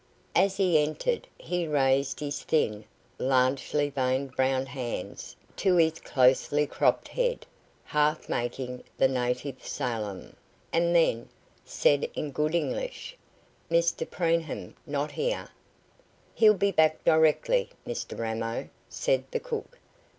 As he entered he raised his thin, largely veined brown hands to his closely cropped head, half making the native salaam, and then, said in good English: "Mr Preenham not here?" "He'll be back directly, Mr Ramo," said the cook.